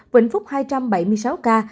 vĩnh phúc hai trăm bảy mươi sáu ca